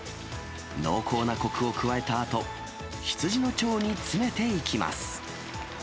濃厚なこくを加えたあと、羊の腸に詰めていきます。